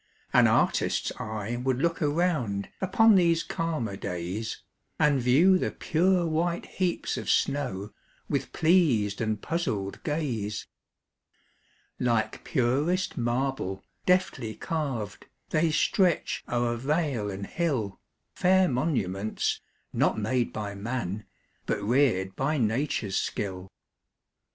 An artist's eye would look around, Upon these calmer days, And view the pure white heaps of snow, With pleas'd and puzzl'd gaze. Like purest marble, deftly carv'd, They stretch o'er vale and hill, Fair monuments, not made by man, But rear'd by nature's skill.